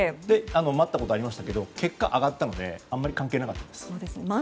待ったことはありましたが結果、上がったのであまり関係なかったですね。